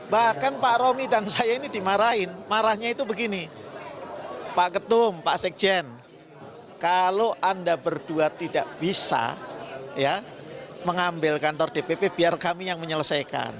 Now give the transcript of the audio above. bahkan pak romi dan saya ini dimarahin marahnya itu begini pak ketum pak sekjen kalau anda berdua tidak bisa mengambil kantor dpp biar kami yang menyelesaikan